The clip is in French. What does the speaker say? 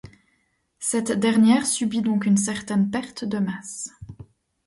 Cette dernière subit donc une certaine perte de masse.